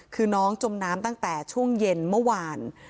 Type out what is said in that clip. คือน้องจมน้ำตั้งแต่ช่วงเย็นเมื่อวาน